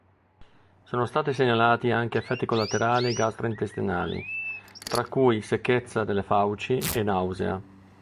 Sono stati segnalati anche effetti collaterali gastrointestinali tra cui secchezza delle fauci e nausea.